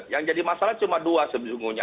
yang jadi masalah cuma dua sejujurnya